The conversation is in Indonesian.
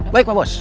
baik pak bos